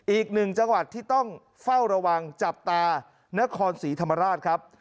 อีกหนึ่งจังหวัดที่ต้องเฝ้าระวังจับตานครศรีธรรมราชครับ